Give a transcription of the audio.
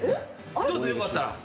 どうぞよかったら。